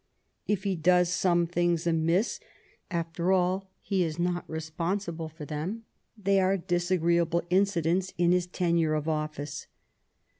If he does some things amiss, after all he is not responsible for them ; they are disagreeable incidents in his tenure of office.